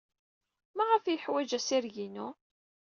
Maɣef ay yeḥwaj assireg-inu?